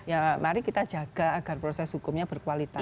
ya mari kita jaga agar proses hukumnya berkualitas